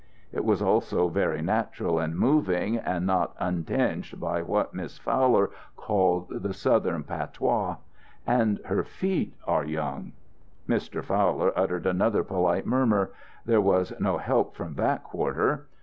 It was also very natural and moving and not untinged by what Miss Fowler called the Southern patois. "And her feet are young." Mr. Fowler uttered another polite murmur. There was no help from that quarter.